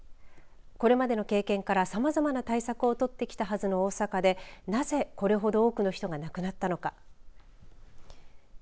これまでの経験からさまざまな対策をとってきたはずの大阪でなぜ、これほど多くの人が亡くなったのか。